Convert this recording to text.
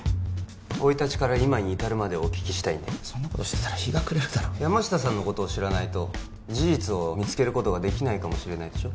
生い立ちから今に至るまでをお聞きしたいんで日が暮れるだろ山下さんのことを知らないと事実を見つけることができないかもしれないでしょ